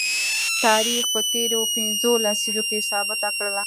تاریخ په تیرو پنځو لسیزو کې ثابته کړله